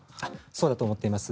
そうだと思っています。